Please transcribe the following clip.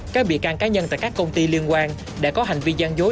các bị can cá nhân tại các công ty liên quan đã có hành vi gian dối